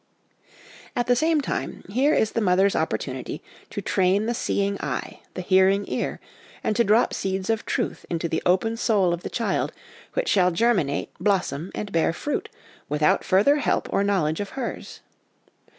At the same time, here is the mother's opportunity to train the seeing eye, the hearing ear, and to drop seeds of truth into the open soul of the child, which shall germinate, blossom, and bear fruit, without further help or know ledge of hers.